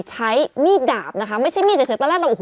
ใช้มีดดาบไม่ใช่มีดเฉย